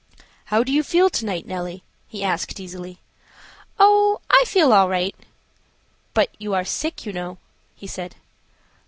"How do you feel to night, Nellie?" he asked, easily. "Oh, I feel all right." "But you are sick, you know," he said.